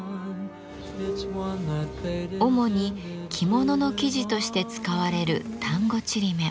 主に着物の生地として使われる丹後ちりめん。